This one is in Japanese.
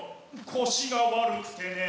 腰が悪くてね。